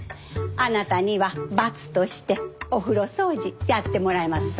あなたには罰としてお風呂掃除やってもらいますさかい。